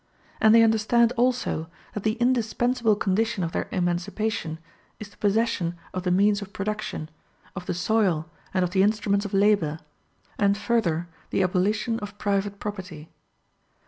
And they understand also that the indispensable condition of their emancipation is the possession of the means of production, of the soil and of the instruments of labor, and further the abolition of private property.